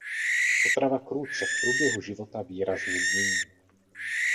Potrava krůt se v průběhu života výrazně mění.